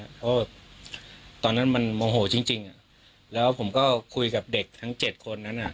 เพราะว่าตอนนั้นมันโมโหจริงแล้วผมก็คุยกับเด็กทั้ง๗คนนั้นอ่ะ